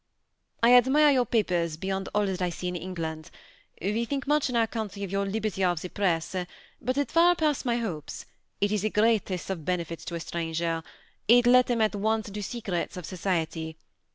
^ I admire your papers beyond all that I see in Eng land. We think much in our country of your liberty of the press ; but it far pass' my hopes. It is the great est of benefits to a stranger: it let him at once into secrets of society.